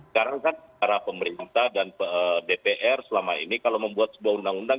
karena kan para pemerintah dan dpr selama ini kalau membuat sebuah undang undang